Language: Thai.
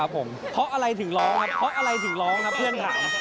เพราะอะไรถึงล้องครับเรื่องถามครับ